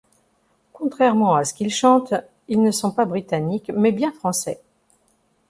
Contrairement à ce qu'ils chantent, ils ne sont pas britanniques mais bien français.